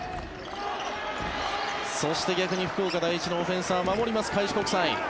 そして逆に福岡第一のオフェンスは守ります、開志国際。